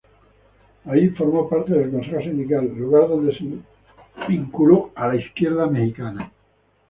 Ahí formó parte del Consejo Sindical, lugar donde se vinculó a la izquierda mexicana.